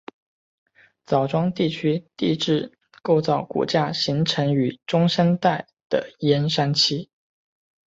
枣庄地区地质构造骨架形成于中生代的燕山期。